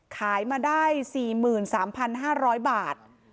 ขายมาได้๔๓๕๐๐บาท